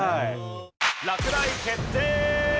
落第決定！